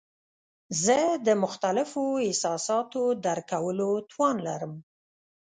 زه د مختلفو احساساتو درک کولو توان لرم.